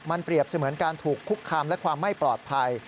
มันเปรียบเสมือนการถูกคุกคามและความไม่ปลอดภัย